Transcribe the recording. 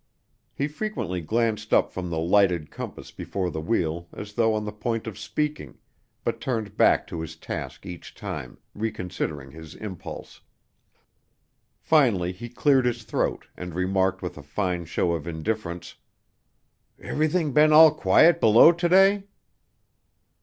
He frequently glanced up from the lighted compass before the wheel as though on the point of speaking, but turned back to his task each time, reconsidering his impulse. Finally he cleared his throat and remarked with a fine show of indifference, "Everything been all quiet below, to day?"